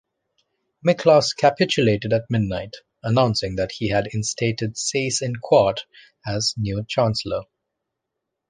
Miklas capitulated at midnight, announcing that he had instated Seyss-Inquart as new chancellor.